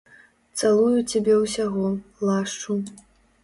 Цалую цябе ўсяго, лашчу.